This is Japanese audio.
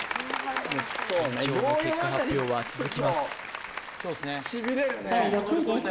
緊張の結果発表は続きます